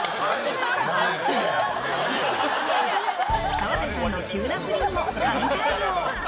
澤部さんの急な振りにも神対応。